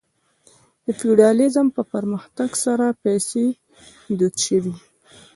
د فیوډالیزم په پرمختګ سره پیسې دود شوې.